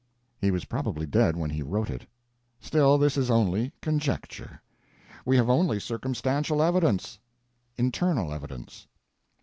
He was probably dead when he wrote it. Still, this is only conjecture. We have only circumstantial evidence. Internal evidence.